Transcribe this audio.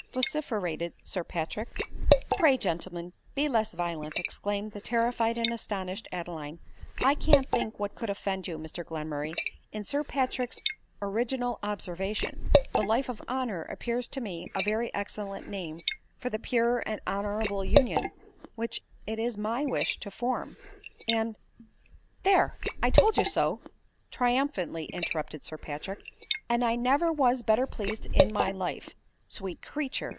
vociferated Sir Patrick. " Pray, gentlemen, be less violent," exclaimed the terrified and astonished Adeline. " I can't think what could offend you, Mr Glenmurray, in Sir Patrick's ori ginal observation ; the life of honor appears to me a very excellent name for the pure and honorable union which it is my wish to form ; and "" There ; I told you so ;" triumphantly interrupted Sir Patrick ;" and I never was better pleased in my life :— sweet creature